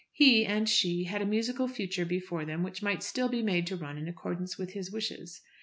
He and she had a musical future before them which might still be made to run in accordance with his wishes.